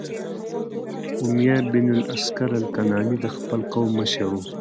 امیة بن الاسکر الکناني د خپل قوم مشر و،